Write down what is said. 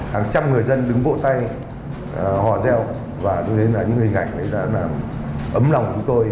hàng trăm người dân đứng vỗ tay họa reo và những hình ảnh đã ấm lòng chúng tôi